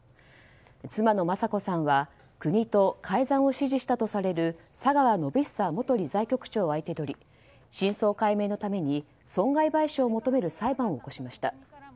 妻の雅子さんは国と改ざんを指示したとされる佐川宣寿元理財局長を相手取り真相解明のために損害賠償を求める裁判を起こしました。